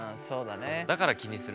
だから気にする。